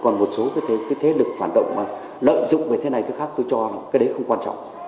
còn một số cái thế lực phản động lợi dụng về thế này thứ khác tôi cho là cái đấy không quan trọng